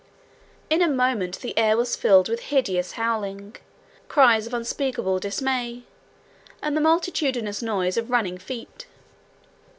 In a moment the air was filled with hideous howling, cries of unspeakable dismay, and the multitudinous noise of running feet.